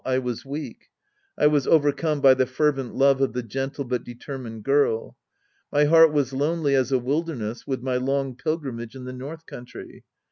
I was weak. I was overcome by the fervent love of the gentle but determined girl. My heart was lonely as a wilderness with my long pilgrimage in the north country.